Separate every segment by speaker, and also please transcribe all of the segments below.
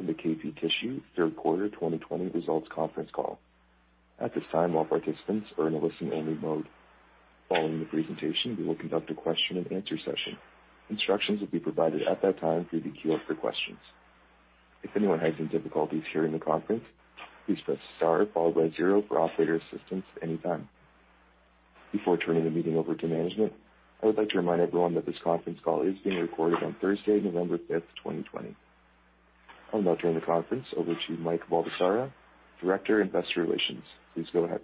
Speaker 1: Welcome to KP Tissue Third Quarter 2020 Results Conference Call. At this time, all participants are in a listen-only mode. Following the presentation, we will conduct a question-and-answer session. Instructions will be provided at that time through the queue for questions. If anyone has any difficulties hearing the conference, please press star followed by zero for operator assistance anytime. Before turning the meeting over to management, I would like to remind everyone that this conference call is being recorded on Thursday, November fifth, 2020. I'll now turn the conference over to Mike Baldesarra, Director, Investor Relations. Please go ahead.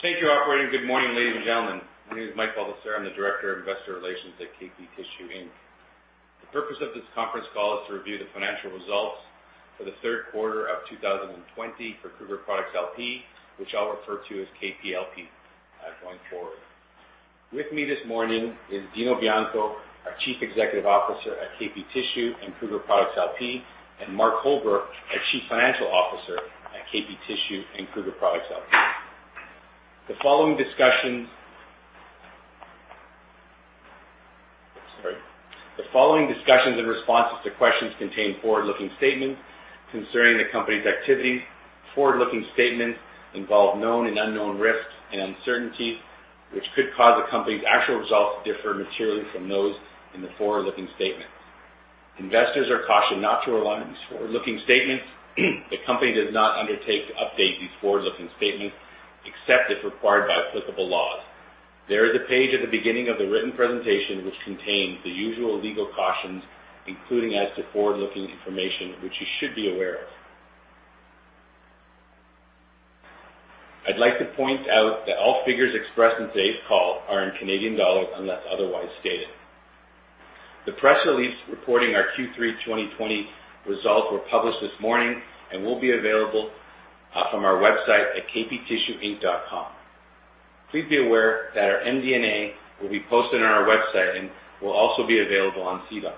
Speaker 2: Thank you, operator. Good morning, ladies and gentlemen. My name is Mike Baldesarra. I'm the Director of Investor Relations at KP Tissue Inc. The purpose of this conference call is to review the financial results for the third quarter of 2020 for Kruger Products LP, which I'll refer to as KPLP, going forward. With me this morning is Dino Bianco, our Chief Executive Officer at KP Tissue and Kruger Products LP, and Mark Holler, our Chief Financial Officer at KP Tissue and Kruger Products LP. The following discussions and responses to questions contain forward-looking statements concerning the company's activities. Forward-looking statements involve known and unknown risks and uncertainties, which could cause the company's actual results to differ materially from those in the forward-looking statements. Investors are cautioned not to rely on these forward-looking statements. The company does not undertake to update these forward-looking statements, except as required by applicable laws. There is a page at the beginning of the written presentation, which contains the usual legal cautions, including as to forward-looking information, which you should be aware of. I'd like to point out that all figures expressed in today's call are in Canadian dollars, unless otherwise stated. The press release reporting our Q3 2020 results were published this morning and will be available from our website at kptissueinc.com. Please be aware that our MD&A will be posted on our website and will also be available on SEDAR.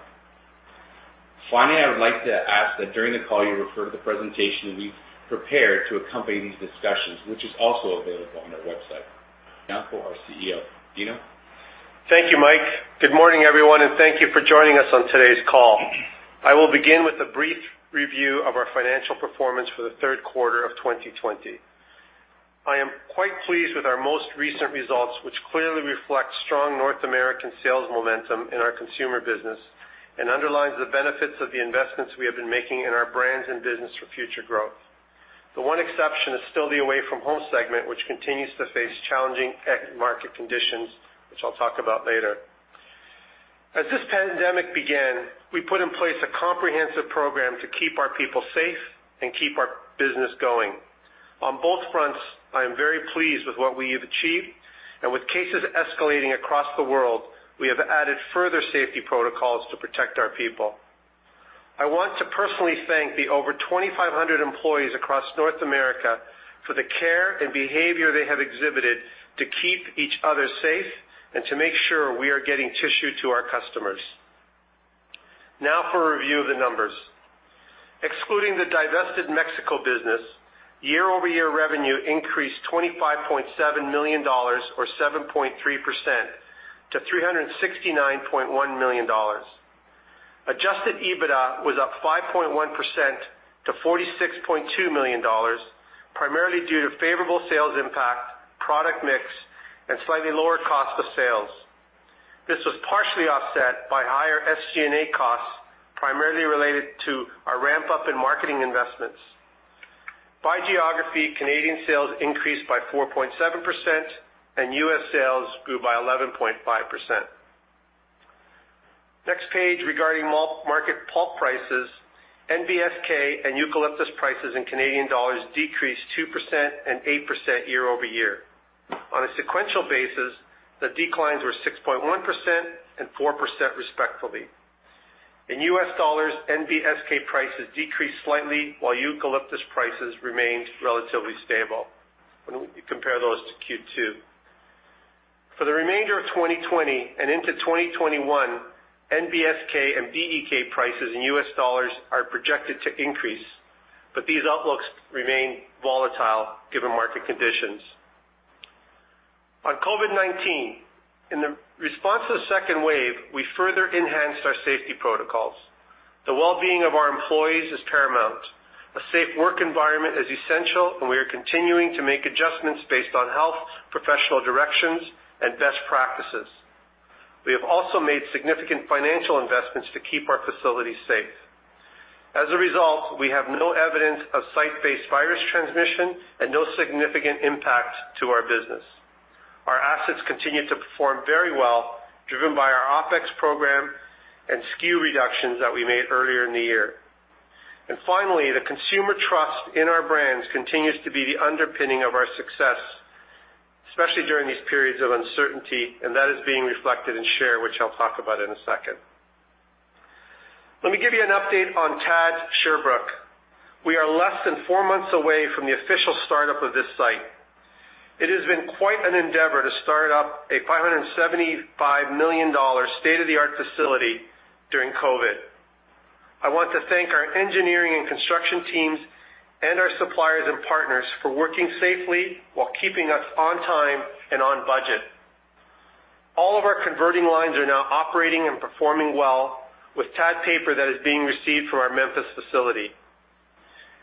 Speaker 2: Finally, I would like to ask that during the call, you refer to the presentation we've prepared to accompany these discussions, which is also available on our website. Now for our CEO. Dino?
Speaker 3: Thank you, Mike. Good morning, everyone, and thank you for joining us on today's call. I will begin with a brief review of our financial performance for the third quarter of 2020. I am quite pleased with our most recent results, which clearly reflect strong North American sales momentum in our consumer business and underlines the benefits of the investments we have been making in our brands and business for future growth. The one exception is still the away-from-home segment, which continues to face challenging economic market conditions, which I'll talk about later. As this pandemic began, we put in place a comprehensive program to keep our people safe and keep our business going. On both fronts, I am very pleased with what we have achieved, and with cases escalating across the world, we have added further safety protocols to protect our people. I want to personally thank the over 2,500 employees across North America for the care and behavior they have exhibited to keep each other safe and to make sure we are getting tissue to our customers. Now for a review of the numbers. Excluding the divested Mexico business, year-over-year revenue increased 25.7 million dollars or 7.3% to 369.1 million dollars. Adjusted EBITDA was up 5.1% to 46.2 million dollars, primarily due to favorable sales impact, product mix, and slightly lower cost of sales. This was partially offset by higher SG&A costs, primarily related to our ramp-up in marketing investments. By geography, Canadian sales increased by 4.7%, and US sales grew by 11.5%. Next page, regarding market pulp prices, NBSK and eucalyptus prices in Canadian dollars decreased 2% and 8% year-over-year. On a sequential basis, the declines were 6.1% and 4%, respectively. In US dollars, NBSK prices decreased slightly, while eucalyptus prices remained relatively stable when we compare those to Q2. For the remainder of 2020 and into 2021, NBSK and BEK prices in US dollars are projected to increase, but these outlooks remain volatile given market conditions. On COVID-19, in the response to the second wave, we further enhanced our safety protocols. The well-being of our employees is paramount. A safe work environment is essential, and we are continuing to make adjustments based on health, professional directions, and best practices. We have also made significant financial investments to keep our facilities safe. As a result, we have no evidence of site-based virus transmission and no significant impact to our business. Our assets continue to perform very well, driven by our OpEx program and SKU reductions that we made earlier in the year. Finally, the consumer trust in our brands continues to be the underpinning of our success, especially during these periods of uncertainty, and that is being reflected in share, which I'll talk about in a second. Let me give you an update on TAD Sherbrooke. We are less than four months away from the official startup of this site. It has been quite an endeavor to start up a 575 million dollars state-of-the-art facility during COVID. I want to thank our engineering and construction teams and our suppliers and partners for working safely while keeping us on time and on budget. All of our converting lines are now operating and performing well, with TAD paper that is being received from our Memphis facility.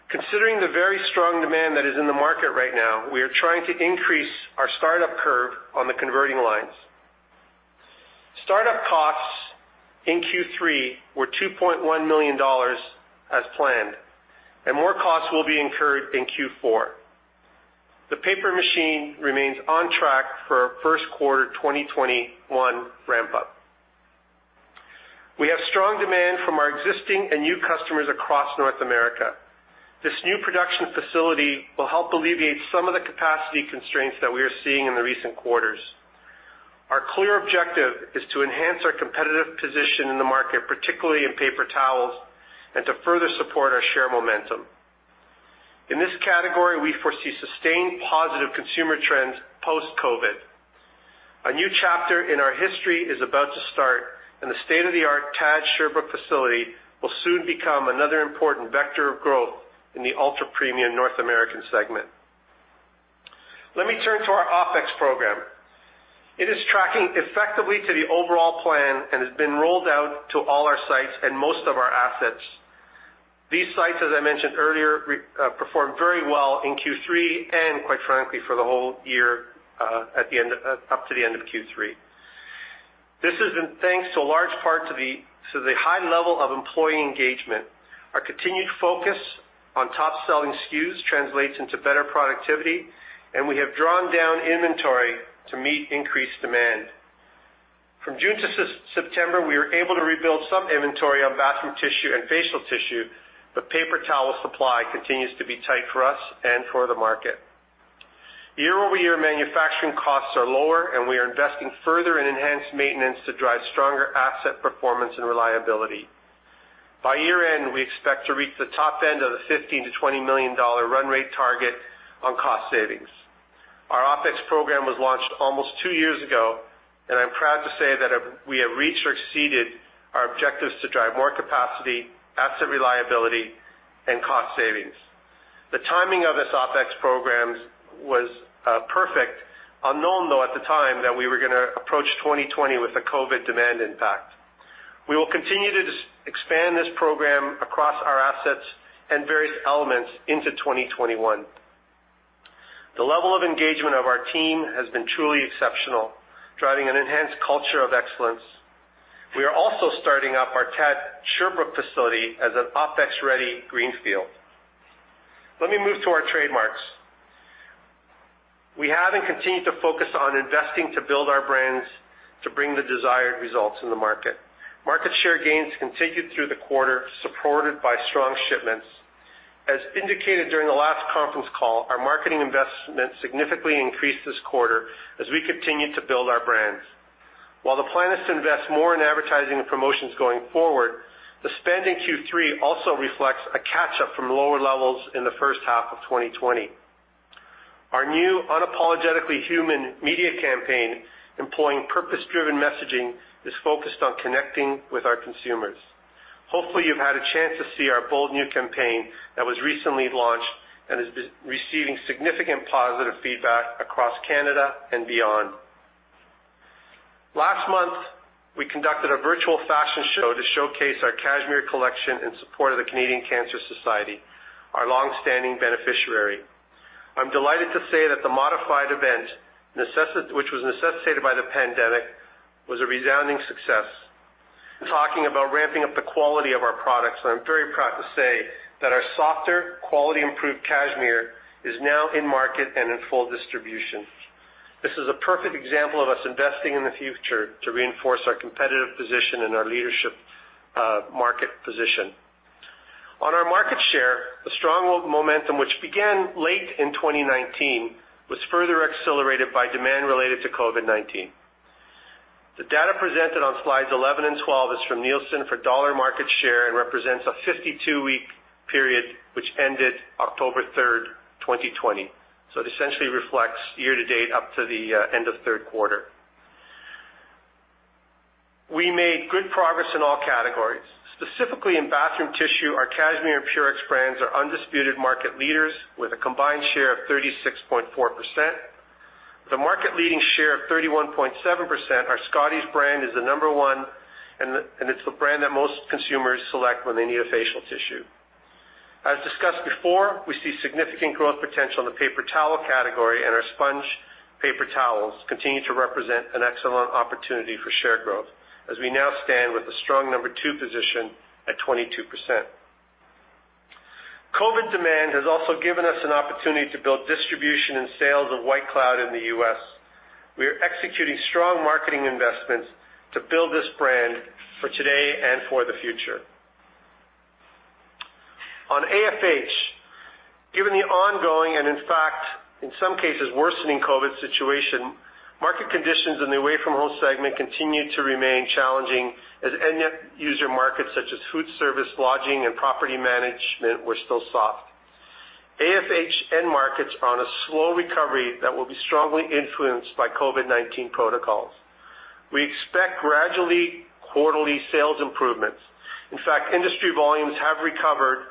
Speaker 3: Considering the very strong demand that is in the market right now, we are trying to increase our startup curve on the converting lines. Startup costs in Q3 were 2.1 million dollars as planned, and more costs will be incurred in Q4. The paper machine remains on track for first quarter 2021 ramp-up. We have strong demand from our existing and new customers across North America. This new production facility will help alleviate some of the capacity constraints that we are seeing in the recent quarters. Our clear objective is to enhance our competitive position in the market, particularly in paper towels, and to further support our share momentum. In this category, we foresee sustained positive consumer trends post-COVID. A new chapter in our history is about to start, and the state-of-the-art TAD Sherbrooke facility will soon become another important vector of growth in the ultra-premium North American segment. Let me turn to our OpEx program. It is tracking effectively to the overall plan and has been rolled out to all our sites and most of our assets. These sites, as I mentioned earlier, performed very well in Q3, and quite frankly, for the whole year, up to the end of Q3. This has been thanks to a large part to the high level of employee engagement. Our continued focus on top-selling SKUs translates into better productivity, and we have drawn down inventory to meet increased demand. From June to September, we were able to rebuild some inventory on bathroom tissue and facial tissue, but paper towel supply continues to be tight for us and for the market. Year-over-year manufacturing costs are lower, and we are investing further in enhanced maintenance to drive stronger asset performance and reliability. By year-end, we expect to reach the top end of the 15 million-20 million dollar run rate target on cost savings. Our OpEx program was launched almost two years ago, and I'm proud to say that we have reached or exceeded our objectives to drive more capacity, asset reliability, and cost savings. The timing of this OpEx programs was perfect, you know, though, at the time, that we were gonna approach 2020 with a COVID demand impact. We will continue to just expand this program across our assets and various elements into 2021. The level of engagement of our team has been truly exceptional, driving an enhanced culture of excellence. We are also starting up our TAD Sherbrooke facility as an OpEx-ready greenfield. Let me move to our trademarks. We have and continue to focus on investing to build our brands to bring the desired results in the market. Market share gains continued through the quarter, supported by strong shipments. As indicated during the last conference call, our marketing investments significantly increased this quarter as we continued to build our brands. While the plan is to invest more in advertising and promotions going forward, the spend in Q3 also reflects a catch-up from lower levels in the first half of 2020. Our new Unapologetically Human media campaign, employing purpose-driven messaging, is focused on connecting with our consumers. Hopefully, you've had a chance to see our bold new campaign that was recently launched and is receiving significant positive feedback across Canada and beyond. Last month, we conducted a virtual fashion show to showcase our Cashmere Collection in support of the Canadian Cancer Society, our long-standing beneficiary. I'm delighted to say that the modified event, which was necessitated by the pandemic, was a resounding success. Talking about ramping up the quality of our products, I'm very proud to say that our softer, quality-improved Cashmere is now in market and in full distribution. This is a perfect example of us investing in the future to reinforce our competitive position and our leadership, market position. On our market share, the strong world momentum, which began late in 2019, was further accelerated by demand related to COVID-19. The data presented on slides 11 and 12 is from Nielsen for dollar market share and represents a 52-week period, which ended October 3, 2020. So it essentially reflects year to date up to the end of third quarter. We made good progress in all categories. Specifically, in bathroom tissue, our Cashmere and Purex brands are undisputed market leaders with a combined share of 36.4%. With a market-leading share of 31.7%, our Scotties brand is the number one, and it's the brand that most consumers select when they need a facial tissue. As discussed before, we see significant growth potential in the paper towel category, and our SpongeTowels continue to represent an excellent opportunity for share growth, as we now stand with a strong number two position at 22%. COVID demand has also given us an opportunity to build distribution and sales of White Cloud in the US. We are executing strong marketing investments to build this brand for today and for the future. On AFH, given the ongoing, and in fact, in some cases, worsening COVID situation, market conditions in the away-from-home segment continued to remain challenging, as end-user markets such as food service, lodging, and property management were still soft. AFH end markets are on a slow recovery that will be strongly influenced by COVID-19 protocols. We expect gradually quarterly sales improvements. In fact, industry volumes have recovered...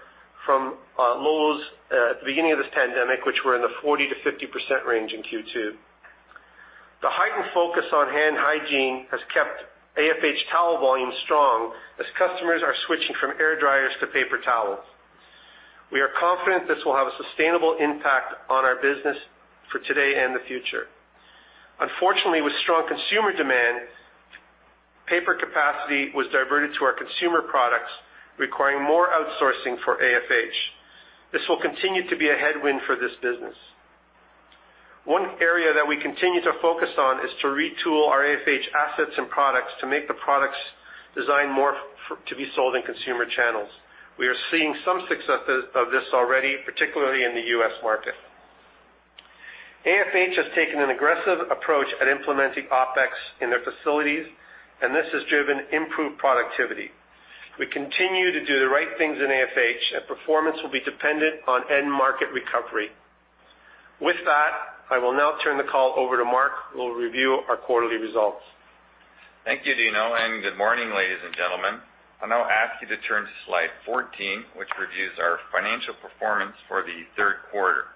Speaker 3: from lows at the beginning of this pandemic, which were in the 40%-50% range in Q2. The heightened focus on hand hygiene has kept AFH towel volume strong as customers are switching from air dryers to paper towels. We are confident this will have a sustainable impact on our business for today and the future. Unfortunately, with strong consumer demand, paper capacity was diverted to our consumer products, requiring more outsourcing for AFH. This will continue to be a headwind for this business. One area that we continue to focus on is to retool our AFH assets and products to make the products designed more to be sold in consumer channels. We are seeing some success of this already, particularly in the US market. AFH has taken an aggressive approach at implementing OpEx in their facilities, and this has driven improved productivity. We continue to do the right things in AFH, and performance will be dependent on end market recovery. With that, I will now turn the call over to Mark, who will review our quarterly results.
Speaker 4: Thank you, Dino, and good morning, ladies and gentlemen. I'll now ask you to turn to slide 14, which reviews our financial performance for the third quarter.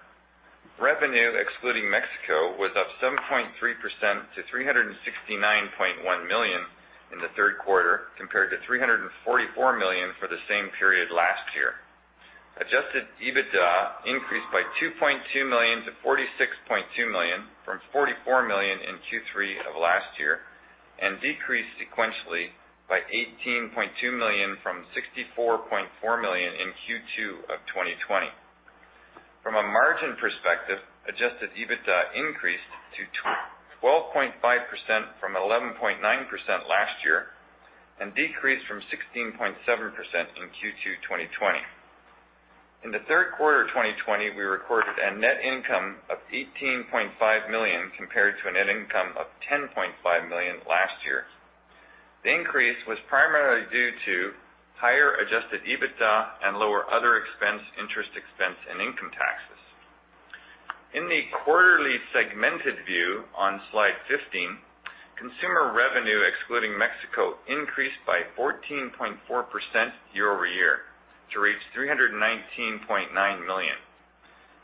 Speaker 4: Revenue, excluding Mexico, was up 7.3% to 369.1 million in the third quarter, compared to 344 million for the same period last year. Adjusted EBITDA increased by 2.2 million to 46.2 million, from 44 million in Q3 of last year, and decreased sequentially by 18.2 million from 64.4 million in Q2 of 2020. From a margin perspective, adjusted EBITDA increased to 12.5% from 11.9% last year, and decreased from 16.7% in Q2, 2020. In the third quarter of 2020, we recorded a net income of 18.5 million, compared to a net income of 10.5 million last year. The increase was primarily due to higher adjusted EBITDA and lower other expense, interest expense, and income taxes. In the quarterly segmented view on Slide 15, consumer revenue, excluding Mexico, increased by 14.4% year-over-year to reach 319.9 million.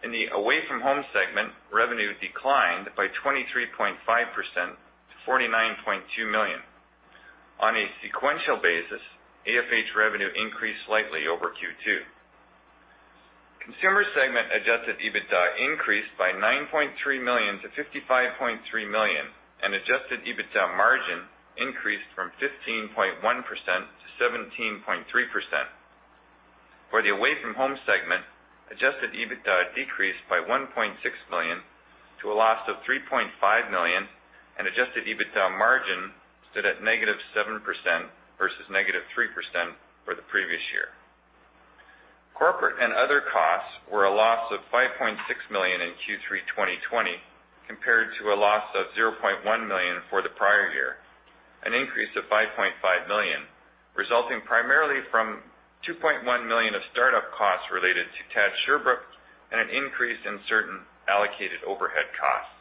Speaker 4: In the away-from-home segment, revenue declined by 23.5% to 49.2 million. On a sequential basis, AFH revenue increased slightly over Q2. Consumer segment adjusted EBITDA increased by 9.3 million to 55.3 million, and adjusted EBITDA margin increased from 15.1%-17.3%. For the away-from-home segment, Adjusted EBITDA decreased by 1.6 million to a loss of 3.5 million, and Adjusted EBITDA margin stood at -7% versus -3% for the previous year. Corporate and other costs were a loss of 5.6 million in Q3 2020, compared to a loss of 0.1 million for the prior year, an increase of 5.5 million, resulting primarily from 2.1 million of startup costs related to TAD Sherbrooke and an increase in certain allocated overhead costs.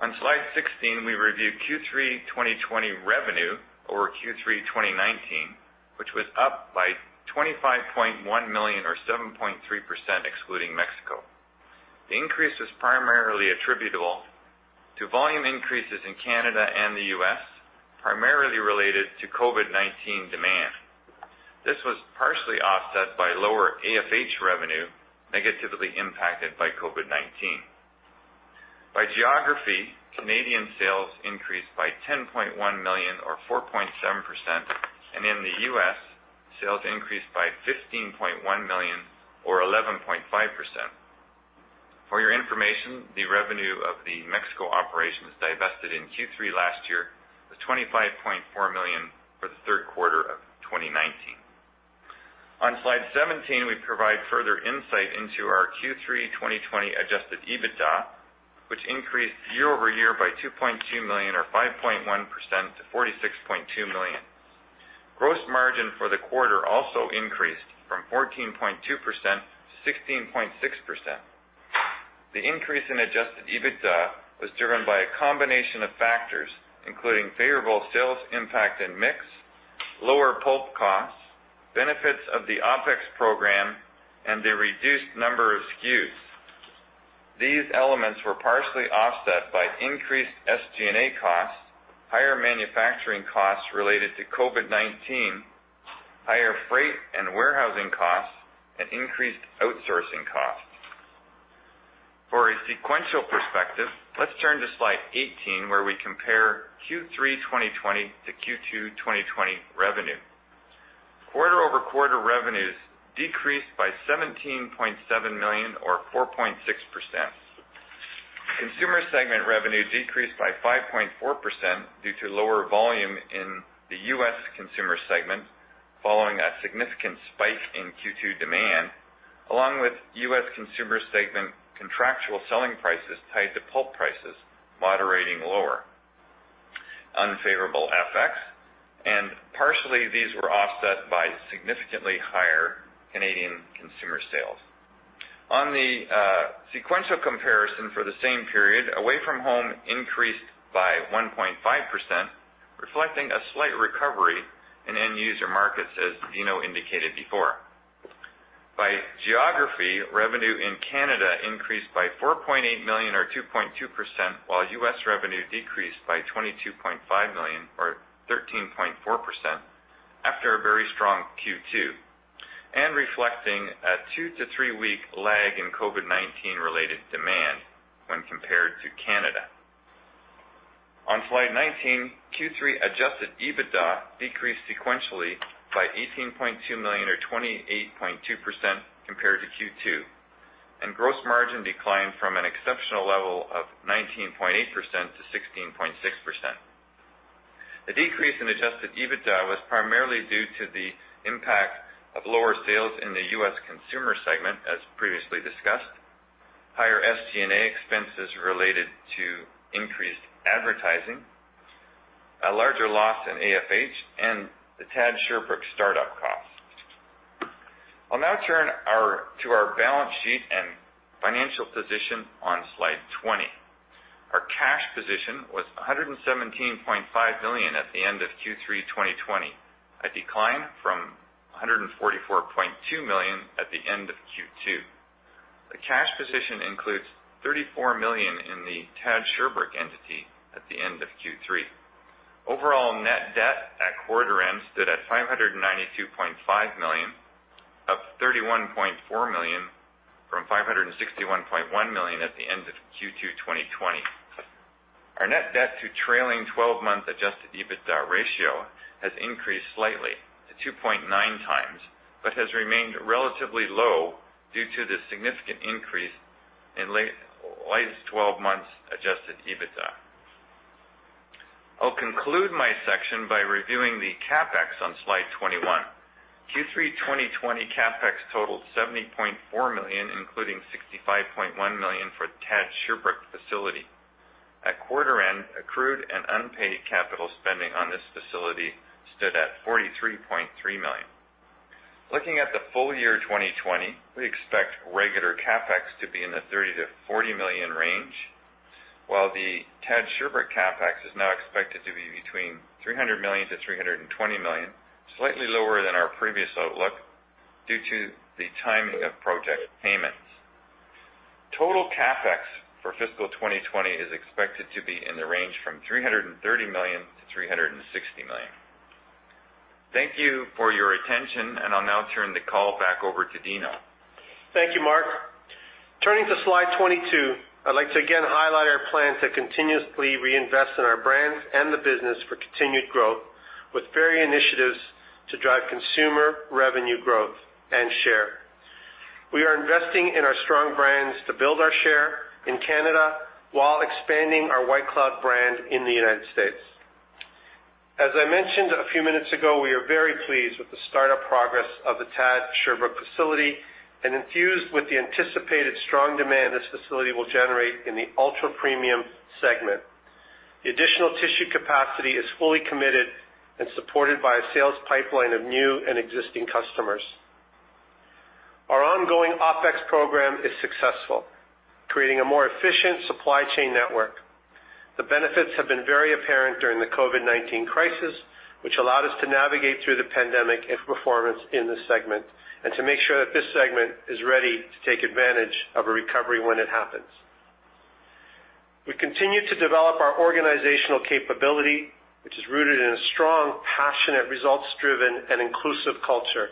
Speaker 4: On Slide 16, we review Q3 2020 revenue over Q3 2019, which was up by 25.1 million or 7.3%, excluding Mexico. The increase is primarily attributable to volume increases in Canada and the US, primarily related to COVID-19 demand. This was partially offset by lower AFH revenue, negatively impacted by COVID-19. By geography, Canadian sales increased by 10.1 million or 4.7%, and in the U.S., sales increased by 15.1 million or 11.5%. For your information, the revenue of the Mexico operations divested in Q3 last year was 25.4 million for the third quarter of 2019. On Slide 17, we provide further insight into our Q3 2020 adjusted EBITDA, which increased year-over-year by 2.2 million or 5.1% to 46.2 million. Gross margin for the quarter also increased from 14.2% to 16.6%. The increase in Adjusted EBITDA was driven by a combination of factors, including favorable sales impact and mix, lower pulp costs, benefits of the OpEx program, and the reduced number of SKUs. These elements were partially offset by increased SG&A costs, higher manufacturing costs related to COVID-19, higher freight and warehousing costs, and increased outsourcing costs. For a sequential perspective, let's turn to slide 18, where we compare Q3 2020 to Q2 2020 revenue. Quarter-over-quarter revenues decreased by 17.7 million or 4.6%. Consumer segment revenue decreased by 5.4% due to lower volume in the US consumer segment, following a significant spike in Q2 demand, along with US consumer segment contractual selling prices tied to pulp prices, moderating lower, unfavorable FX, and partially these were offset by significantly higher Canadian consumer sales. On the sequential comparison for the same period, away from home increased by 1.5%, reflecting a slight recovery in end user markets, as Dino indicated before. By geography, revenue in Canada increased by 4.8 million or 2.2%, while US revenue decreased by 22.5 million or 13.4% after a very strong Q2, and reflecting a 2- to 3-week lag in COVID-19 related demand when compared to Canada. On slide 19, Q3 Adjusted EBITDA decreased sequentially by 18.2 million, or 28.2% compared to Q2, and gross margin declined from an exceptional level of 19.8% to 16.6%. The decrease in Adjusted EBITDA was primarily due to the impact of lower sales in the U.S. consumer segment, as previously discussed, higher SG&A expenses related to increased advertising, a larger loss in AFH, and the TAD Sherbrooke startup cost. I'll now turn to our balance sheet and financial position on slide 20. Our cash position was CAD 117.5 million at the end of Q3, 2020, a decline from CAD 144.2 million at the end of Q2. The cash position includes CAD 34 million in the TAD Sherbrooke entity at the end of Q3. Overall, net debt at quarter end stood at 592.5 million, up 31.4 million from 561.1 million at the end of Q2 2020. Our net debt to trailing twelve-month adjusted EBITDA ratio has increased slightly to 2.9 times, but has remained relatively low due to the significant increase in latest twelve months adjusted EBITDA. I'll conclude my section by reviewing the CapEx on slide 21. Q3 2020 CapEx totaled 70.4 million, including 65.1 million for the TAD Sherbrooke facility. At quarter end, accrued and unpaid capital spending on this facility stood at 43.3 million. Looking at the full year 2020, we expect regular CapEx to be in the 30 million-40 million range, while the TAD Sherbrooke CapEx is now expected to be between 3 million-320 million, slightly lower than our previous outlook, due to the timing of project payments. Total CapEx for fiscal 2020 is expected to be in the range from 330 million-360 million. Thank you for your attention, and I'll now turn the call back over to Dino.
Speaker 3: Thank you, Mark. Turning to slide 22, I'd like to again highlight our plan to continuously reinvest in our brands and the business for continued growth, with various initiatives to drive consumer revenue growth and share. We are investing in our strong brands to build our share in Canada while expanding our White Cloud brand in the United States. As I mentioned a few minutes ago, we are very pleased with the startup progress of the TAD Sherbrooke facility and infused with the anticipated strong demand this facility will generate in the ultra-premium segment. The additional tissue capacity is fully committed and supported by a sales pipeline of new and existing customers. Our ongoing OpEx program is successful, creating a more efficient supply chain network. The benefits have been very apparent during the COVID-19 crisis, which allowed us to navigate through the pandemic and performance in this segment, and to make sure that this segment is ready to take advantage of a recovery when it happens. We continue to develop our organizational capability, which is rooted in a strong, passionate, results-driven and inclusive culture.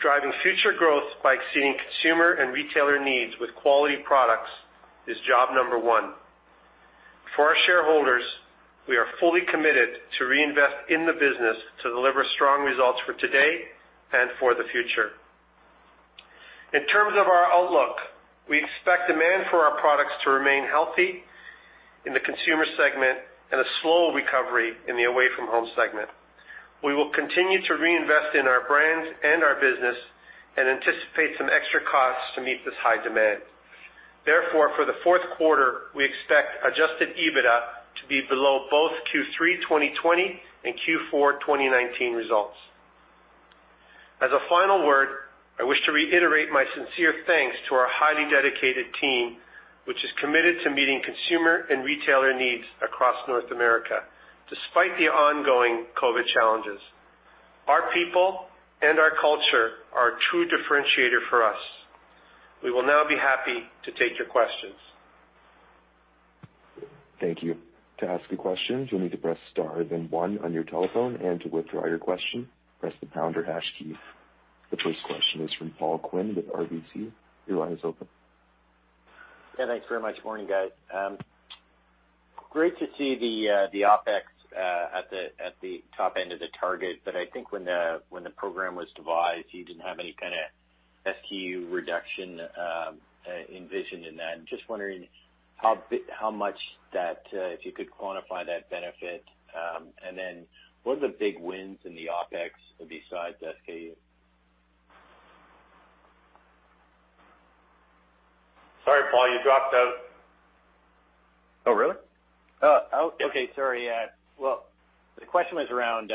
Speaker 3: Driving future growth by exceeding consumer and retailer needs with quality products is job number one. For our shareholders, we are fully committed to reinvest in the business to deliver strong results for today and for the future. In terms of our outlook, we expect demand for our products to remain healthy in the consumer segment and a slow recovery in the away-from-home segment. We will continue to reinvest in our brands and our business and anticipate some extra costs to meet this high demand. Therefore, for the fourth quarter, we expect Adjusted EBITDA to be below both Q3 2020 and Q4 2019 results. As a final word, I wish to reiterate my sincere thanks to our highly dedicated team, which is committed to meeting consumer and retailer needs across North America, despite the ongoing COVID challenges. Our people and our culture are a true differentiator for us. We will now be happy to take your questions.
Speaker 1: Thank you. To ask a question, you'll need to press star, then one on your telephone, and to withdraw your question, press the pound or hash key. The first question is from Paul Quinn with RBC. Your line is open.
Speaker 5: Yeah, thanks very much. Morning, guys. Great to see the OpEx at the top end of the target, but I think when the program was devised, you didn't have any kind of SKU reduction envisioned in that. And just wondering how big, how much that, if you could quantify that benefit? And then what are the big wins in the OpEx besides SKU?
Speaker 3: Sorry, Paul, you dropped out....
Speaker 5: Oh, okay, sorry. Well, the question was around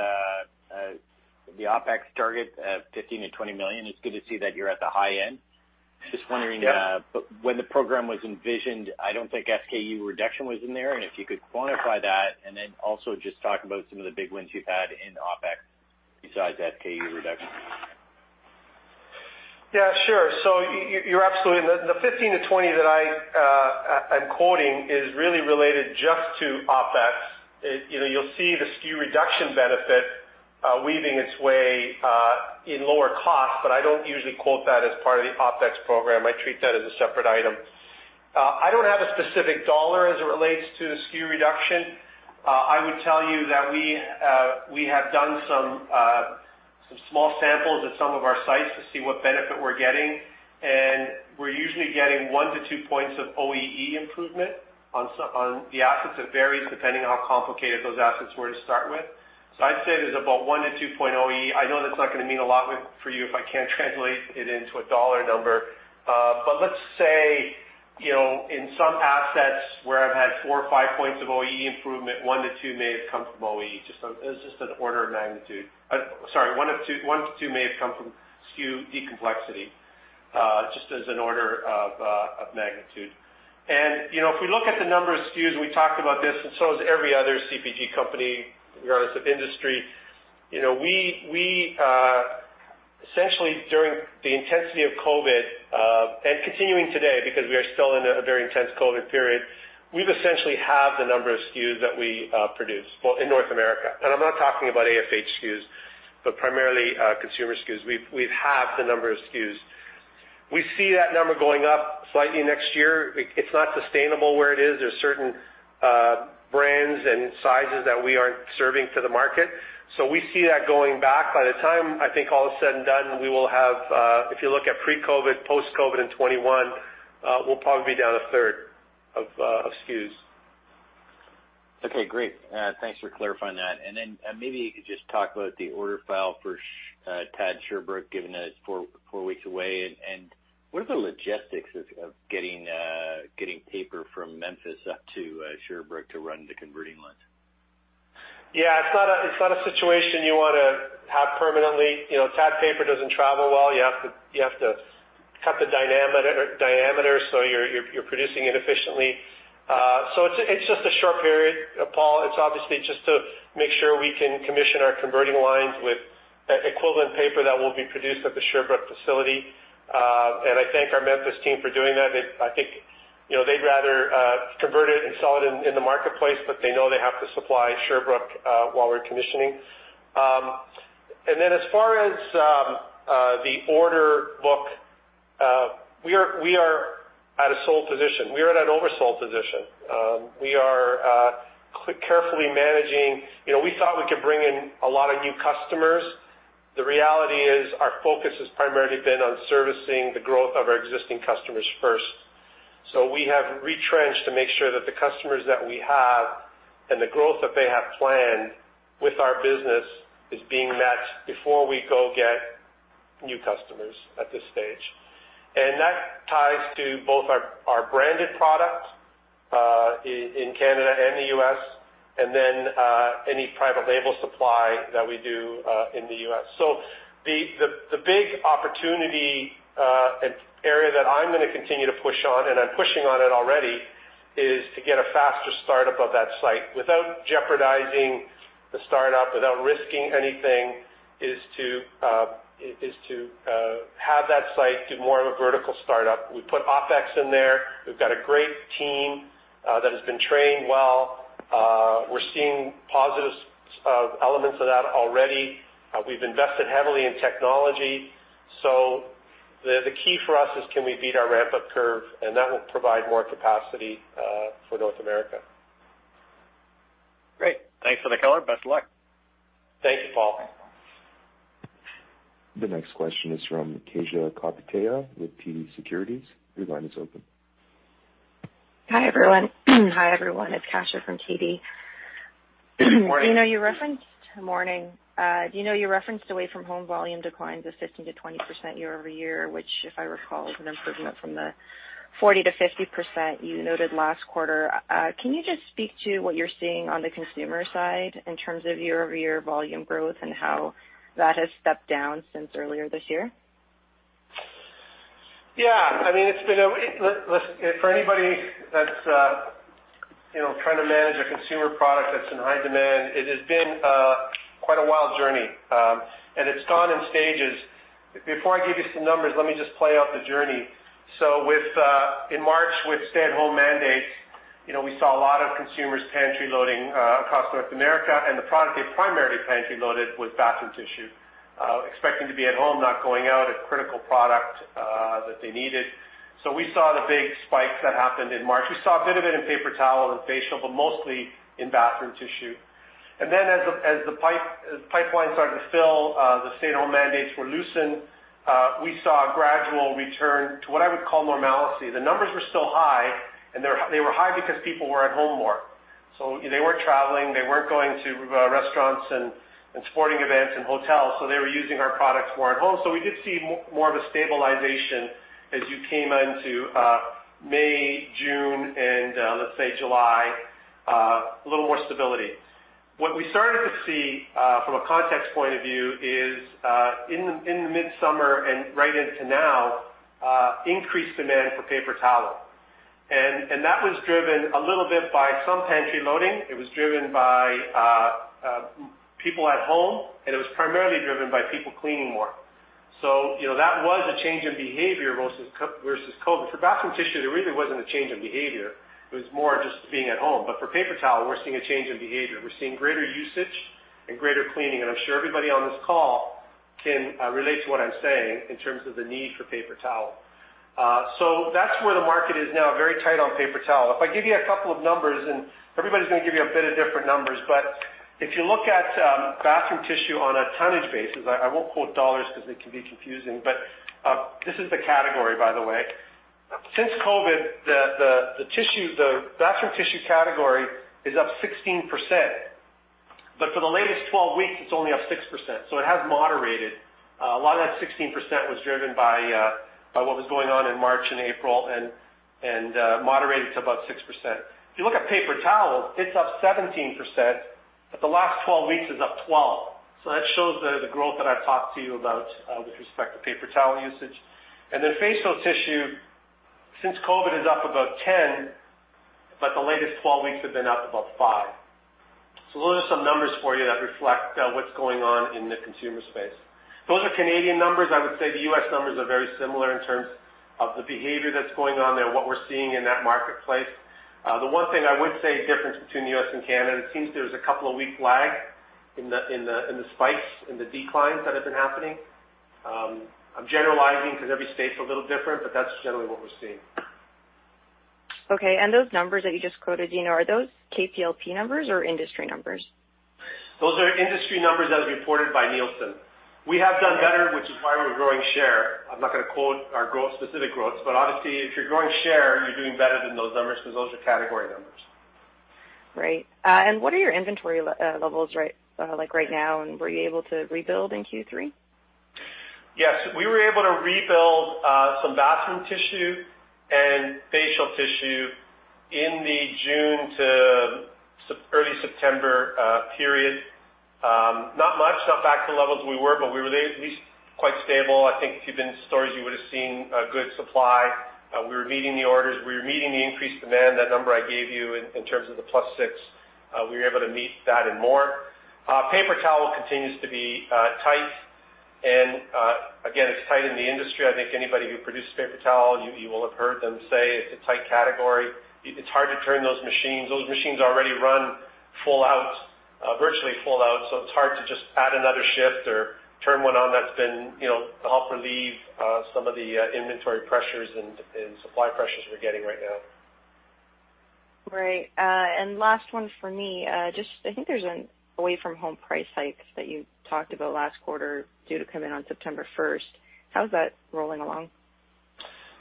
Speaker 5: the OpEx target of 15 million-20 million. It's good to see that you're at the high end. Just wondering,
Speaker 3: Yep.
Speaker 5: when the program was envisioned, I don't think SKU reduction was in there, and if you could quantify that, and then also just talk about some of the big wins you've had in OpEx besides SKU reduction.
Speaker 3: Yeah, sure. So you're absolutely, the 15-20 that I'm quoting is really related just to OpEx. It, you know, you'll see the SKU reduction benefit, weaving its way in lower cost, but I don't usually quote that as part of the OpEx program. I treat that as a separate item. I don't have a specific dollar as it relates to the SKU reduction. I would tell you that we have done some small samples at some of our sites to see what benefit we're getting, and we're usually getting 1-2 points of OEE improvement on some on the assets. It varies depending on how complicated those assets were to start with. So I'd say there's about 1-2 point OEE. I know that's not gonna mean a lot with, for you if I can't translate it into a dollar number. But let's say, you know, in some assets where I've had 4 points or 5 points of OEE improvement, 1 to 2 may have come from OEE, just as an order of magnitude. Sorry, 1 to 2 may have come from SKU decomplexity, just as an order of magnitude. You know, if we look at the number of SKUs, and we talked about this, and so has every other CPG company, regardless of industry, you know, we essentially during the intensity of COVID, and continuing today, because we are still in a very intense COVID period, we've essentially halved the number of SKUs that we produce, well, in North America. And I'm not talking about AFH SKUs, but primarily consumer SKUs. We've halved the number of SKUs. We see that number going up slightly next year. It's not sustainable where it is. There's certain brands and sizes that we aren't serving to the market, so we see that going back. By the time, I think all is said and done, we will have, if you look at pre-COVID, post-COVID in 2021, we'll probably be down a third of SKUs.
Speaker 5: Okay, great. Thanks for clarifying that. And then, maybe you could just talk about the order file for TAD Sherbrooke, given that it's four weeks away. And what are the logistics of getting paper from Memphis up to Sherbrooke to run the converting lines?
Speaker 3: Yeah, it's not a situation you want to have permanently. You know, TAD paper doesn't travel well. You have to cut the diameter, so you're producing it efficiently. So it's just a short period, Paul. It's obviously just to make sure we can commission our converting lines with equivalent paper that will be produced at the Sherbrooke facility. And I thank our Memphis team for doing that. They. I think, you know, they'd rather convert it and sell it in the marketplace, but they know they have to supply Sherbrooke while we're commissioning. And then as far as the order book, we are at a sold position. We are at an oversold position. We are carefully managing... You know, we thought we could bring in a lot of new customers. The reality is, our focus has primarily been on servicing the growth of our existing customers first. So we have retrenched to make sure that the customers that we have and the growth that they have planned with our business is being met before we go get new customers at this stage. And that ties to both our branded product in Canada and the US, and then any private label supply that we do in the US. So the big opportunity and area that I'm gonna continue to push on, and I'm pushing on it already, is to get a faster startup of that site. Without jeopardizing the startup, without risking anything, is to have that site do more of a vertical startup. We put OpEx in there. We've got a great team that has been trained well. We're seeing positive elements of that already. We've invested heavily in technology. So the key for us is can we beat our ramp-up curve? That will provide more capacity for North America.
Speaker 5: Great. Thanks for the color. Best of luck.
Speaker 3: Thank you, Paul.
Speaker 1: The next question is from Kasia Kopytek with TD Securities. Your line is open.
Speaker 6: Hi, everyone. Hi, everyone, it's Kasia from TD.
Speaker 3: Good morning.
Speaker 6: Morning. You know, you referenced away from home volume declines of 15%-20% year-over-year, which, if I recall, is an improvement from the 40%-50% you noted last quarter. Can you just speak to what you're seeing on the consumer side in terms of year-over-year volume growth and how that has stepped down since earlier this year?
Speaker 3: Yeah. I mean, it's been. Let's, for anybody that's, you know, trying to manage a consumer product that's in high demand, it has been quite a wild journey. It's gone in stages. Before I give you some numbers, let me just play out the journey. So in March, with stay-at-home mandates, you know, we saw a lot of consumers pantry loading across North America, and the product they primarily pantry loaded was bathroom tissue, expecting to be at home, not going out, a critical product that they needed. So we saw the big spike that happened in March. We saw a bit of it in paper towel and facial, but mostly in bathroom tissue. And then as the pipeline started to fill, the stay-at-home mandates were loosened, we saw a gradual return to what I would call normalcy. The numbers were still high, and they were high because people were at home more. So they weren't traveling, they weren't going to restaurants and sporting events and hotels, so they were using our products more at home. So we did see more of a stabilization as you came into May and let's say July, a little more stability. What we started to see from a context point of view is in the midsummer and right into now, increased demand for paper towel. And that was driven a little bit by some pantry loading. It was driven by people at home, and it was primarily driven by people cleaning more. So, you know, that was a change in behavior versus COVID. For bathroom tissue, there really wasn't a change in behavior. It was more just being at home. But for paper towel, we're seeing a change in behavior. We're seeing greater usage and greater cleaning, and I'm sure everybody on this call can relate to what I'm saying in terms of the need for paper towel. So that's where the market is now, very tight on paper towel. If I give you a couple of numbers, and everybody's gonna give you a bit of different numbers, but if you look at bathroom tissue on a tonnage basis, I won't quote dollars because it can be confusing, but this is the category, by the way. Since COVID, the bathroom tissue category is up 16%, but for the latest 12 weeks, it's only up 6%, so it has moderated. A lot of that 16% was driven by what was going on in March and April, and moderated to about 6%. If you look at paper towels, it's up 17%, but the last 12 weeks is up 12. So that shows the growth that I've talked to you about with respect to paper towel usage. And then facial tissue, since COVID, is up about 10, but the latest 12 weeks have been up about 5. So those are some numbers for you that reflect what's going on in the consumer space. Those are Canadian numbers. I would say the U.S. numbers are very similar in terms of the behavior that's going on there, what we're seeing in that marketplace. The one thing I would say different between the U.S. and Canada, it seems there's a couple of week lag in the spikes and the declines that have been happening. I'm generalizing because every state's a little different, but that's generally what we're seeing.
Speaker 6: Okay, and those numbers that you just quoted, Dino, are those KPLP numbers or industry numbers?
Speaker 3: Those are industry numbers that are reported by Nielsen. We have done better, which is why we're growing share. I'm not gonna quote our growth, specific growths, but obviously, if you're growing share, you're doing better than those numbers, because those are category numbers.
Speaker 6: Great. And what are your inventory levels, right, like right now, and were you able to rebuild in Q3?
Speaker 3: Yes, we were able to rebuild some bathroom tissue and facial tissue in the June to early September period. Not much, not back to the levels we were, but we were at least quite stable. I think if you'd been to stores, you would have seen a good supply. We were meeting the orders, we were meeting the increased demand. That number I gave you in terms of the +6, we were able to meet that and more. Paper towel continues to be tight and, again, it's tight in the industry. I think anybody who produces paper towel, you will have heard them say it's a tight category. It's hard to turn those machines. Those machines already run full out, virtually full out, so it's hard to just add another shift or turn one on. That's been, you know, help relieve some of the inventory pressures and supply pressures we're getting right now.
Speaker 6: Great. And last one for me, just I think there's an away-from-home price hikes that you talked about last quarter, due to come in on September first. How's that rolling along?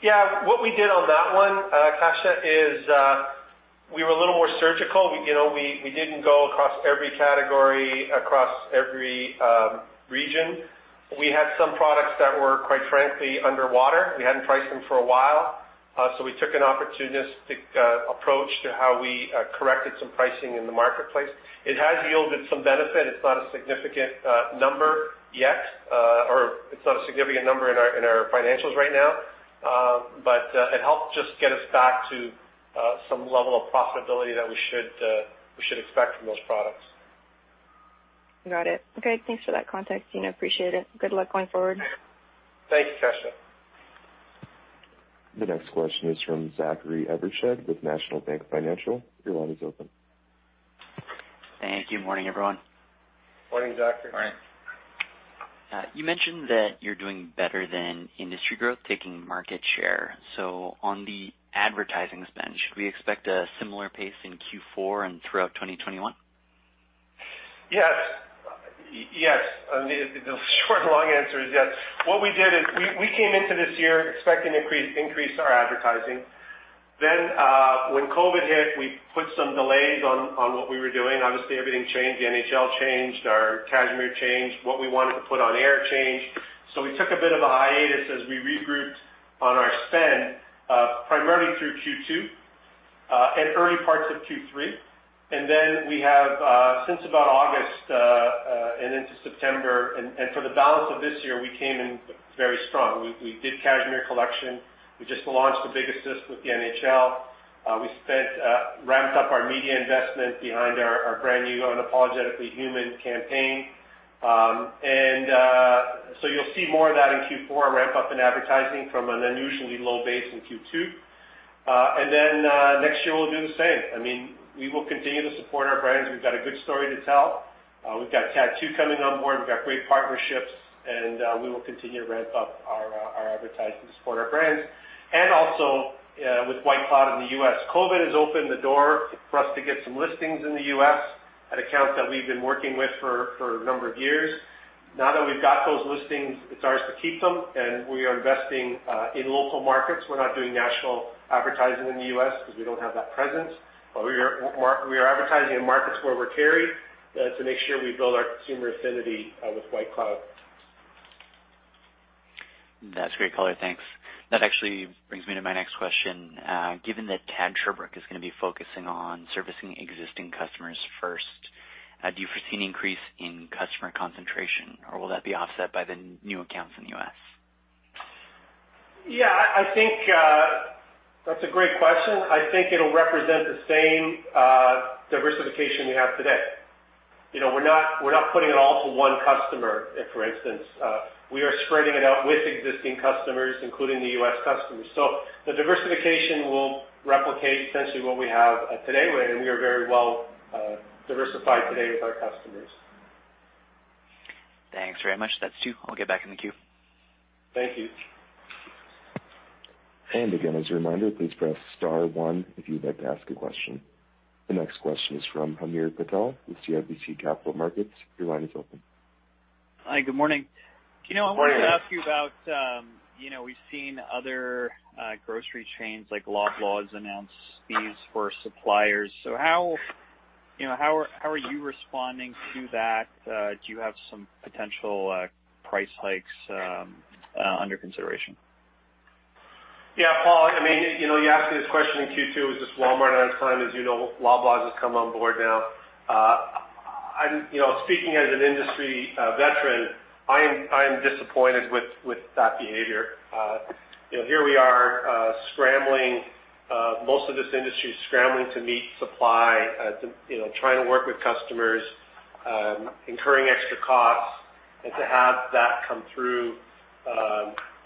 Speaker 3: Yeah, what we did on that one, Kasia, is, we were a little more surgical. You know, we, we didn't go across every category, across every, region. We had some products that were, quite frankly, underwater. We hadn't priced them for a while. So we took an opportunistic, approach to how we, corrected some pricing in the marketplace. It has yielded some benefit. It's not a significant, number yet, or it's not a significant number in our, in our financials right now. But, it helped just get us back to, some level of profitability that we should, we should expect from those products.
Speaker 6: Got it. Okay, thanks for that context, Dino, appreciate it. Good luck going forward.
Speaker 3: Thanks, Kasia.
Speaker 1: The next question is from Zachary Evershed with National Bank Financial. Your line is open.
Speaker 7: Thank you. Morning, everyone.
Speaker 3: Morning, Zachary.
Speaker 4: Morning.
Speaker 7: you mentioned that you're doing better than industry growth, taking market share. So on the advertising spend, should we expect a similar pace in Q4 and throughout 2021?
Speaker 3: Yes. Yes, the short and long answer is yes. What we did is we came into this year expecting to increase our advertising. Then, when COVID hit, we put some delays on what we were doing. Obviously, everything changed. The NHL changed, our Cashmere changed, what we wanted to put on air changed. So we took a bit of a hiatus as we regrouped on our spend, primarily through Q2, and early parts of Q3. And then we have since about August and into September, and for the balance of this year, we came in very strong. We did Cashmere Collection. We just launched the Big Assist with the NHL. We spent ramped up our media investment behind our brand new and unapologetically human campaign. And, so you'll see more of that in Q4, a ramp up in advertising from an unusually low base in Q2. And then, next year we'll do the same. I mean, we will continue to support our brands. We've got a good story to tell. We've got TAD coming on board, we've got great partnerships, and, we will continue to ramp up our, our advertising to support our brands, and also, with White Cloud in the US. COVID has opened the door for us to get some listings in the US, at accounts that we've been working with for a number of years. Now that we've got those listings, it's ours to keep them, and we are investing, in local markets. We're not doing national advertising in the U.S. because we don't have that presence, but we are advertising in markets where we're carried, to make sure we build our consumer affinity with White Cloud.
Speaker 7: That's great color. Thanks. That actually brings me to my next question. Given that TAD Sherbrooke is gonna be focusing on servicing existing customers first, do you foresee an increase in customer concentration, or will that be offset by the new accounts in the US?
Speaker 3: Yeah, I think that's a great question. I think it'll represent the same diversification we have today. You know, we're not putting it all to one customer, for instance. We are spreading it out with existing customers, including the US customers. So the diversification will replicate essentially what we have today, and we are very well diversified today with our customers.
Speaker 7: Thanks very much. That's two. I'll get back in the queue.
Speaker 3: Thank you.
Speaker 1: And again, as a reminder, please press star one if you'd like to ask a question. The next question is from Hamir Patel with CIBC Capital Markets. Your line is open.
Speaker 8: Hi, good morning. Do you know, I wanted to ask you about, you know, we've seen other grocery chains like Loblaws announce fees for suppliers. So how, you know, how are you responding to that? Do you have some potential price hikes under consideration?
Speaker 3: Yeah, Pa, I mean, you know, you asked me this question in Q2. It was just Walmart at the time. As you know, Loblaws has come on board now. I'm, you know, speaking as an industry veteran, I'm disappointed with that behavior. You know, here we are, scrambling, most of this industry is scrambling to meet supply, to, you know, trying to work with customers, incurring extra costs, and to have that come through,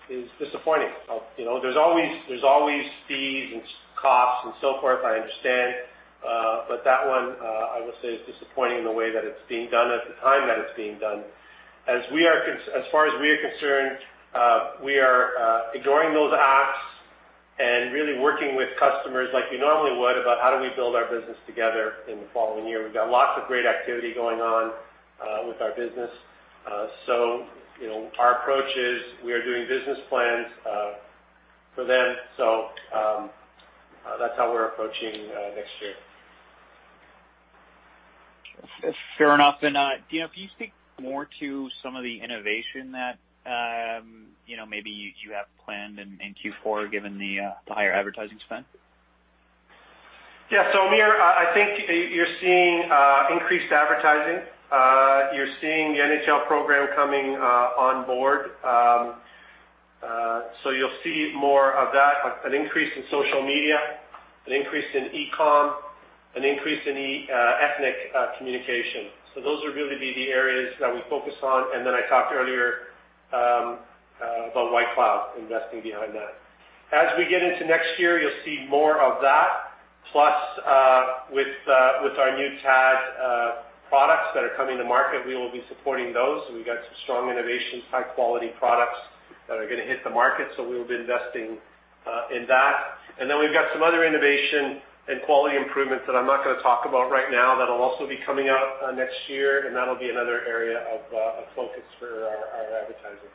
Speaker 3: is disappointing. You know, there's always, there's always fees and costs and so forth, I understand, but that one, I will say is disappointing in the way that it's being done at the time that it's being done. As far as we are concerned, we are ignoring those asks and really working with customers like we normally would about how do we build our business together in the following year. We've got lots of great activity going on with our business. So, you know, our approach is we are doing business plans for them. So, that's how we're approaching next year.
Speaker 8: Fair enough. Dino, can you speak more to some of the innovation that, you know, maybe you have planned in Q4, given the higher advertising spend?
Speaker 3: Yeah. So, Hamir, I think you're seeing increased advertising. You're seeing the NHL program coming on board. So you'll see more of that, an increase in social media, an increase in e-com, an increase in ethnic communication. So those are really the areas that we focus on. And then I talked earlier about White Cloud, investing behind that. As we get into next year, you'll see more of that, plus, with our new TAD products that are coming to market, we will be supporting those. We've got some strong innovations, high quality products that are gonna hit the market, so we will be investing in that. And then we've got some other innovation and quality improvements that I'm not gonna talk about right now, that'll also be coming out next year, and that'll be another area of focus for our advertising.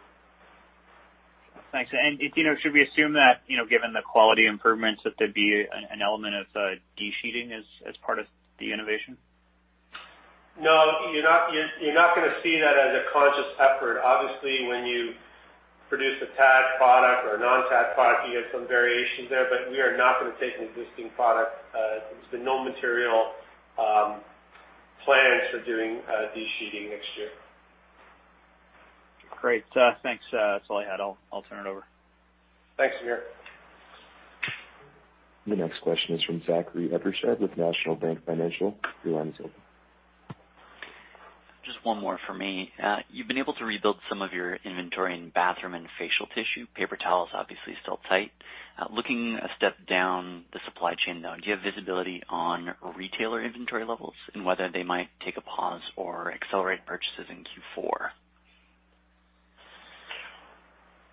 Speaker 8: Thanks. And, Dino, should we assume that, you know, given the quality improvements, that there'd be an element of de-sheeting as part of the innovation?
Speaker 3: No, you're not gonna see that as a conscious effort. Obviously, when you produce a TAD product or a non-TAD product, you have some variations there, but we are not gonna take an existing product. There's been no material plans for doing de-sheeting next year.
Speaker 8: Great. Thanks. That's all I had. I'll turn it over.
Speaker 3: Thanks, Hamir.
Speaker 1: The next question is from Zachary Evershed with National Bank Financial. Your line is open.
Speaker 7: Just one more for me. You've been able to rebuild some of your inventory in bathroom and facial tissue. Paper towels, obviously, still tight. Looking a step down the supply chain now, do you have visibility on retailer inventory levels and whether they might take a pause or accelerate purchases in Q4?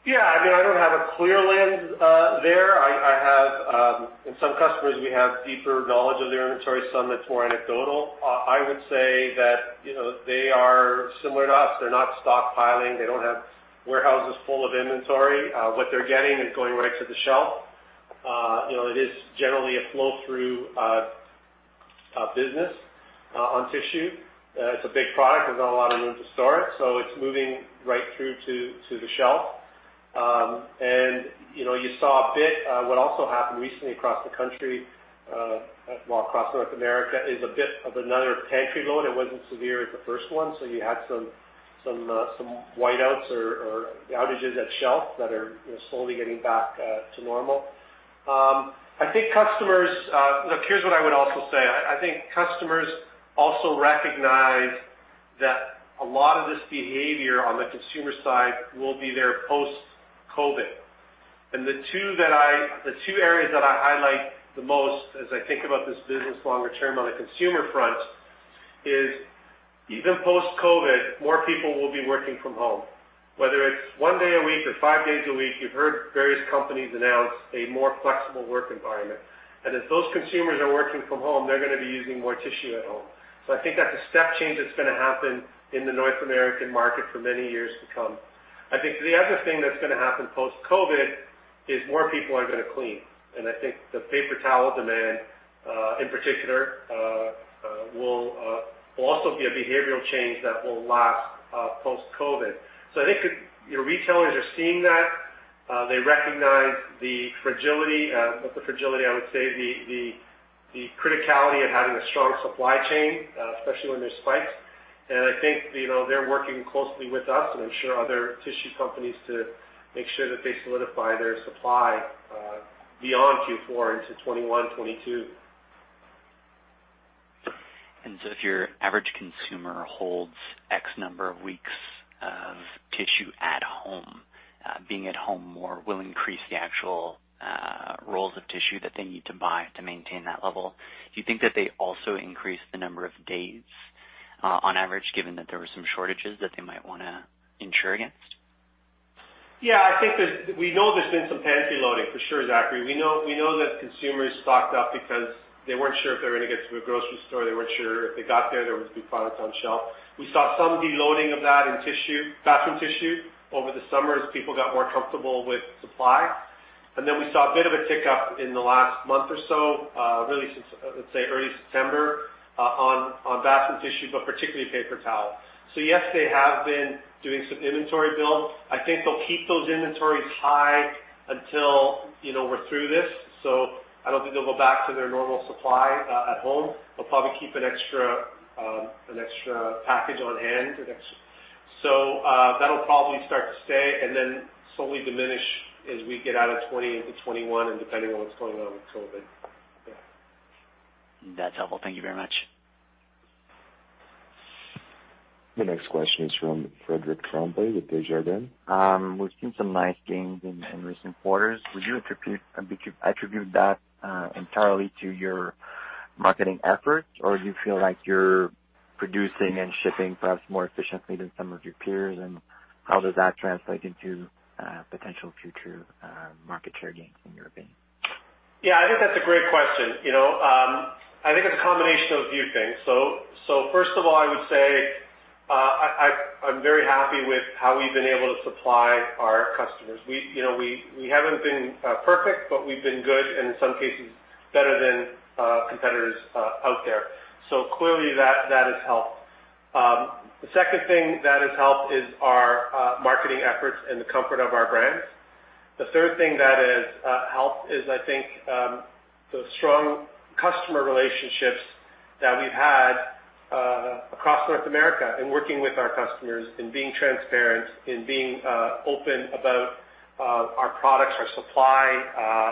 Speaker 3: Yeah, I mean, I don't have a clear lens there. I have in some customers, we have deeper knowledge of their inventory, some that's more anecdotal. I would say that, you know, they are similar to us. They're not stockpiling, they don't have warehouses full of inventory. What they're getting is going right to the shelf. You know, it is generally a flow-through business on tissue. It's a big product. There's not a lot of room to store it, so it's moving right through to the shelf. And, you know, you saw a bit what also happened recently across the country, well, across North America, is a bit of another pantry load. It wasn't severe as the first one, so you had some whiteouts or outages at shelf that are, you know, slowly getting back to normal. I think customers, look, here's what I would also say: I think customers also recognize that a lot of this behavior on the consumer side will be there post-COVID. And the two areas that I highlight the most as I think about this business longer term on the consumer front is, even post-COVID, more people will be working from home. Whether it's one day a week or five days a week, you've heard various companies announce a more flexible work environment. And as those consumers are working from home, they're gonna be using more tissue at home. So I think that's a step change that's gonna happen in the North American market for many years to come. I think the other thing that's gonna happen post-COVID is more people are gonna clean. And I think the paper towel demand, in particular, will also be a behavioral change that will last, post-COVID. So I think, your retailers are seeing that, they recognize the fragility, not the fragility, I would say, the criticality of having a strong supply chain, especially when there's spikes. And I think, you know, they're working closely with us, and I'm sure other tissue companies, to make sure that they solidify their supply, beyond Q4 into 2021, 2022.
Speaker 7: And so if your average consumer holds X number of weeks of tissue at home, being at home more will increase the actual, rolls of tissue that they need to buy to maintain that level. Do you think that they also increase the number of days, on average, given that there were some shortages that they might wanna insure against?
Speaker 3: Yeah, I think we know there's been some pantry loading, for sure, Zachary. We know, we know that consumers stocked up because they weren't sure if they were gonna get to a grocery store. They weren't sure if they got there, there would be products on shelf. We saw some de-loading of that in tissue, bathroom tissue, over the summer as people got more comfortable with supply. And then we saw a bit of a tick-up in the last month or so, really since, let's say, early September, on bathroom tissue, but particularly paper towel. So yes, they have been doing some inventory build. I think they'll keep those inventories high until, you know, we're through this. So I don't think they'll go back to their normal supply, at home. They'll probably keep an extra, an extra package on hand, an extra... So, that'll probably start to stay and then slowly diminish as we get out of 2020 into 2021, and depending on what's going on with COVID. Yeah.
Speaker 7: That's helpful. Thank you very much.
Speaker 1: The next question is from Frédéric Tremblay with Desjardins.
Speaker 9: We've seen some nice gains in recent quarters. Would you attribute that entirely to your marketing efforts, or do you feel like you're producing and shipping perhaps more efficiently than some of your peers? And how does that translate into potential future market share gains, in your opinion?
Speaker 3: Yeah, I think that's a great question. You know, I think it's a combination of a few things. So first of all, I would say, I, I'm very happy with how we've been able to supply our customers. We, you know, we haven't been perfect, but we've been good, and in some cases, better than competitors out there. So clearly, that has helped. The second thing that has helped is our marketing efforts and the comfort of our brands. The third thing that has helped is, I think, the strong customer relationships that we've had across North America, in working with our customers, in being transparent, in being open about our products, our supply,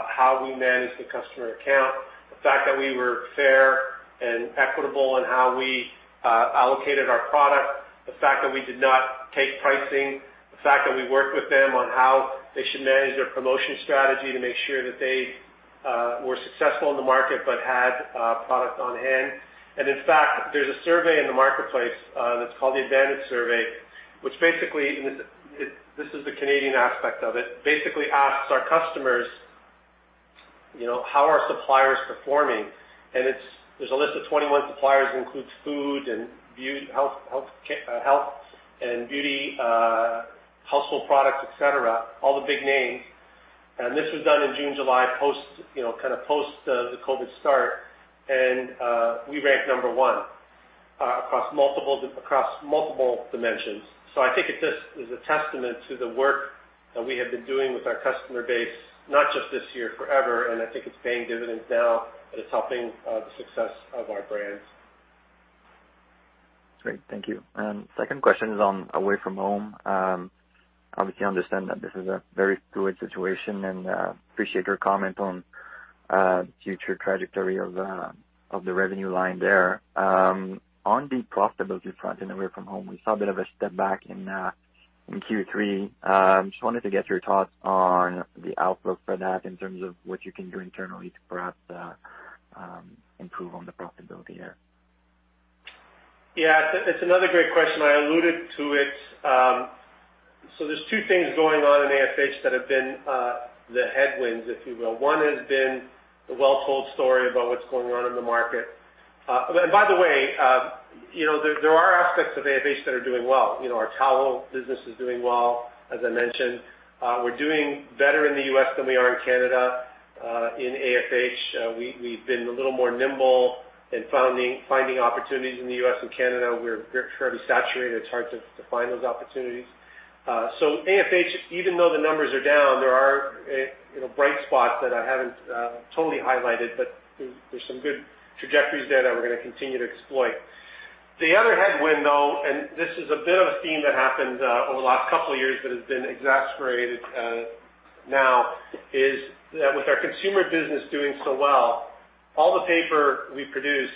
Speaker 3: how we manage the customer account. The fact that we were fair and equitable in how we allocated our product, the fact that we did not take pricing, the fact that we worked with them on how they should manage their promotion strategy to make sure that they were successful in the market, but had product on hand. And in fact, there's a survey in the marketplace that's called the Advantage Survey, which basically this is the Canadian aspect of it, basically asks our customers, you know, how are suppliers performing? And there's a list of 21 suppliers, includes food and health and beauty, household products, et cetera, all the big names. And this was done in June, July, post, you know, kind of post the COVID start, and we ranked number one across multiple, across multiple dimensions. So I think it just is a testament to the work that we have been doing with our customer base, not just this year, forever, and I think it's paying dividends now, and it's helping, the success of our brands.
Speaker 9: Great, thank you. Second question is on away from home. Obviously, understand that this is a very fluid situation, and appreciate your comment on future trajectory of the revenue line there. On the profitability front, in away from home, we saw a bit of a step back in Q3. Just wanted to get your thoughts on the outlook for that in terms of what you can do internally to perhaps improve on the profitability there.
Speaker 3: Yeah, it's another great question. I alluded to it. So there's two things going on in AFH that have been the headwinds, if you will. One has been the well-told story about what's going on in the market. And by the way, you know, there are aspects of AFH that are doing well. You know, our towel business is doing well, as I mentioned. We're doing better in the US than we are in Canada. In AFH, we've been a little more nimble in finding opportunities in the US and Canada. We're fairly saturated. It's hard to find those opportunities. So AFH, even though the numbers are down, there are, you know, bright spots that I haven't totally highlighted, but there's some good trajectories there that we're gonna continue to exploit. The other headwind, though, and this is a bit of a theme that happened over the last couple of years, that has been exacerbated now, is that with our consumer business doing so well, all the paper we produce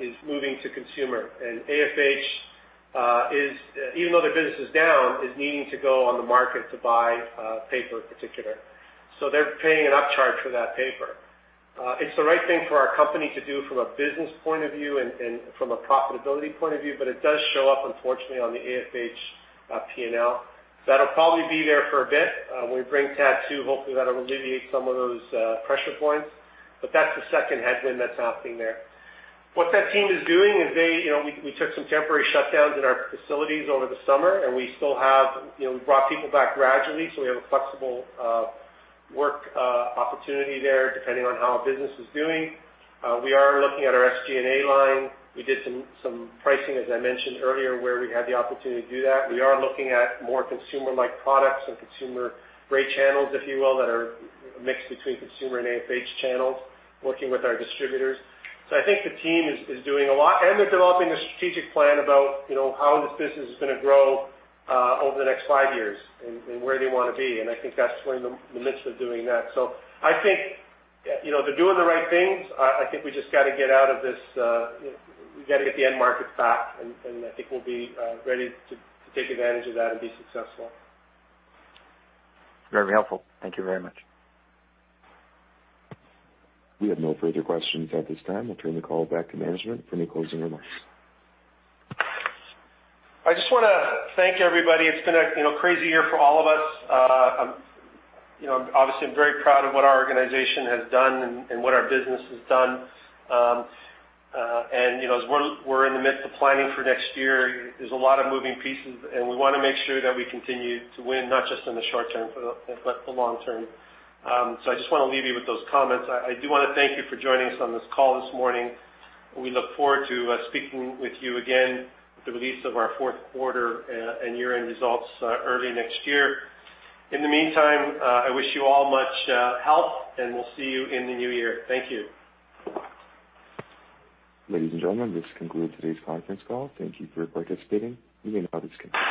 Speaker 3: is moving to consumer. And AFH is, even though the business is down, is needing to go on the market to buy paper in particular. So they're paying an upcharge for that paper. It's the right thing for our company to do from a business point of view and from a profitability point of view, but it does show up, unfortunately, on the AFH P&L. That'll probably be there for a bit. When we bring TAD 2, hopefully, that'll alleviate some of those pressure points. But that's the second headwind that's happening there. What that team is doing is they, you know, we took some temporary shutdowns in our facilities over the summer, and we still have, you know, we brought people back gradually, so we have a flexible work opportunity there, depending on how a business is doing. We are looking at our SG&A line. We did some pricing, as I mentioned earlier, where we had the opportunity to do that. We are looking at more consumer-like products and consumer gray channels, if you will, that are a mix between consumer and AFH channels, working with our distributors. So I think the team is doing a lot, and they're developing a strategic plan about, you know, how this business is gonna grow over the next five years and where they wanna be. And I think that's where in the midst of doing that. So I think, you know, they're doing the right things. I think we just gotta get out of this, we gotta get the end market back, and I think we'll be ready to take advantage of that and be successful.
Speaker 9: Very helpful. Thank you very much.
Speaker 1: We have no further questions at this time. I'll turn the call back to management for any closing remarks.
Speaker 3: I just wanna thank everybody. It's been a, you know, crazy year for all of us. You know, obviously, I'm very proud of what our organization has done and, and what our business has done. And, you know, as we're, we're in the midst of planning for next year, there's a lot of moving pieces, and we wanna make sure that we continue to win, not just in the short term, but, but the long term. So I just wanna leave you with those comments. I, I do wanna thank you for joining us on this call this morning. We look forward to speaking with you again at the release of our fourth quarter, and year-end results, early next year. In the meantime, I wish you all much health, and we'll see you in the new year. Thank you.
Speaker 1: Ladies and gentlemen, this concludes today's conference call. Thank you for participating. You may now disconnect.